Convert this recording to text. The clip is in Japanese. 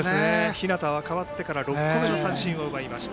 日當は代わってから６個目の三振を奪いました。